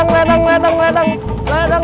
ledang ledang ledang